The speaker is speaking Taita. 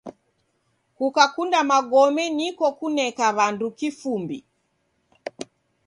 Kukakunda magome niko kuneka w'andu kifumbi.